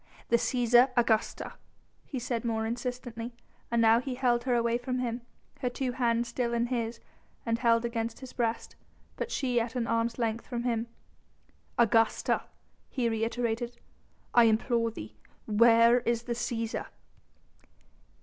"The Cæsar, Augusta," he said more insistently, and now he held her away from him, her two hands still in his and held against his breast, but she at an arm's length from him. "Augusta," he reiterated, "I implore thee! Where is the Cæsar?"